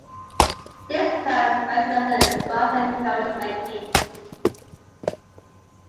This plant specialises in bus and coach making.